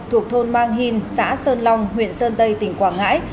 thuộc thôn mang hìn xã sơn long huyện sơn tây tỉnh quảng ngãi